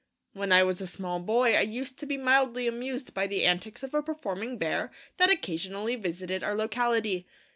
When I was a small boy I used to be mildly amused by the antics of a performing bear that occasionally visited our locality.